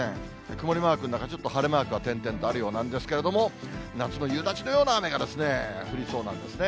曇りマークの中に晴れマークが点々とあるようなんですけれども、夏の夕立のような雨が降りそうなんですね。